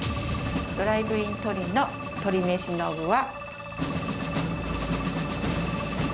ドライブイン鳥の鳥めしの具は。